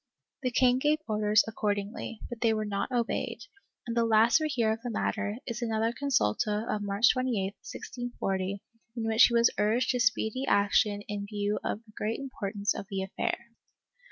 The king gave orders accordingly, but they were not obeyed, and the last we hear of the matter is another consulta of March 28, 1640, in which he was urged to speedy action in view of the great impor tance of the affair.